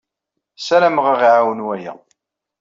Ssaramaɣ ad aɣ-iɛawen waya.